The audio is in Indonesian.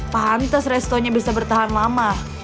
pantas restonya bisa bertahan lama